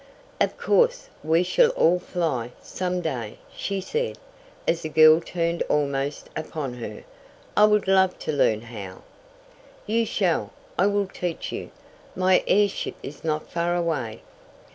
"Of course, we shall all fly, some day," she said, as the girl turned almost upon her. "I would love to learn how!" "You shall! I will teach you! My airship is not far away."